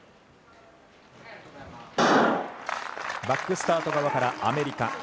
バックスタート側からアメリカ。